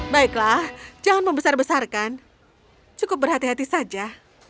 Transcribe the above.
baiklah jangan membesar besarkan cukup berhati hati saja